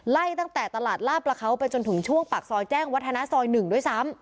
ไล่ตั้งแต่ตลาดลาบประเขาไปจนถึงช่วงปากซอยแจ้งวัฒนาซอย๑ด้วยซ้ำ